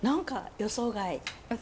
予想外。